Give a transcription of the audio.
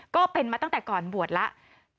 ก็เป็นมาตั้งแต่ก่อนบวชแล้ว